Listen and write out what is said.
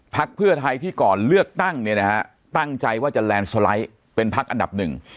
เพื่อไทยที่ก่อนเลือกตั้งเนี่ยนะฮะตั้งใจว่าจะแลนด์สไลด์เป็นพักอันดับหนึ่ง